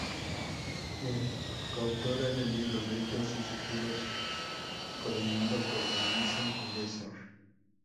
Es coautora del libro "Gritos y Susurros" coordinado por Denise Dresser.